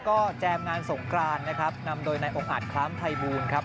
ก็แจมงานสงกรานนะครับนำโดยนายองค์อาจคล้ามภัยบูลครับ